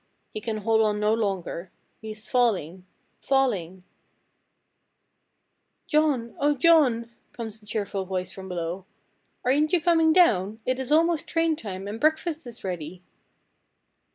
He can hold on no longer. He is falling falling "'John! Oh, John!' comes a cheerful voice from below. 'Aren't you coming down? It is almost train time, and breakfast is ready.'